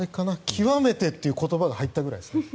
極めてという言葉が入ったくらいですね。